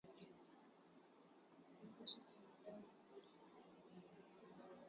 Hutibu matatizo ya kumengenya chakula na mfumo wa kupumua kwa binadamu